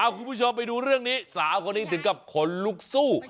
คุณผู้ชมไปดูเรื่องนี้สาวคนนี้ถึงกับขนลุกสู้